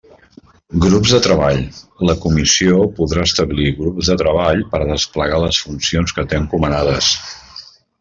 Grups de treball: la Comissió podrà establir grups de treball per a desplegar les funcions que té encomanades.